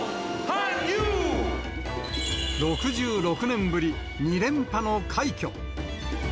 ６６年ぶり、２連覇の快挙。